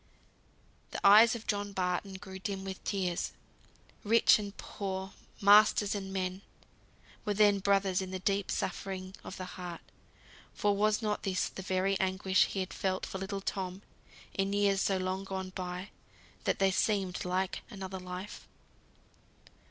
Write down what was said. The eyes of John Barton grew dim with tears. Rich and poor, masters and men, were then brothers in the deep suffering of the heart; for was not this the very anguish he had felt for little Tom, in years so long gone by that they seemed like another life!